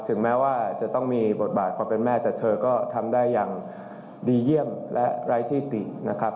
ถึงแม้ว่าจะต้องมีบทบาทความเป็นแม่แต่เธอก็ทำได้อย่างดีเยี่ยมและไร้ที่ตินะครับ